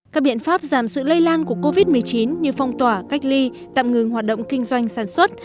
các biện pháp giảm sự lây lan của covid một mươi chín như phong tỏa cách ly tạm ngừng hoạt động kinh doanh sản xuất